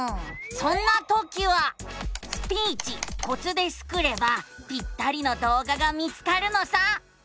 そんなときは「スピーチコツ」でスクればぴったりの動画が見つかるのさ。